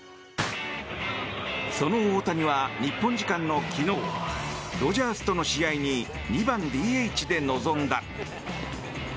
その大谷は日本時間の昨日ドジャースとの試合に２番ＤＨで臨んだ。